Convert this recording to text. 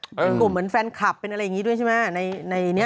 เป็นกลุ่มเหมือนแฟนคลับเป็นอะไรอย่างนี้ด้วยใช่ไหม